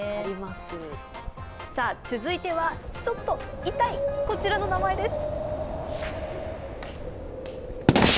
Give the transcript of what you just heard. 続いては、ちょっと痛いこちらの名前です。